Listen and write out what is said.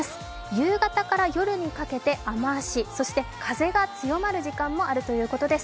夕方から夜にかけて雨足、そして風が強まる時間帯もあるということです